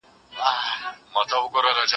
زه به واښه راوړلي وي.